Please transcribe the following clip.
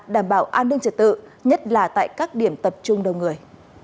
đảm bảo an ninh trật tự nhất là tại các điểm tập trung đông người